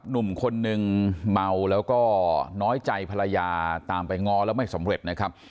หนุ่มคนนึงเมาแล้วก็น้อยใจภรรยาตามไปง้อแล้วไม่สำเร็จนะครับ